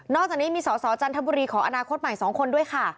อกจากนี้มีสอสอจันทบุรีขออนาคตใหม่๒คนด้วยค่ะ